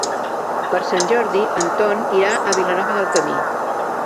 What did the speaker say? Per Sant Jordi en Ton irà a Vilanova del Camí.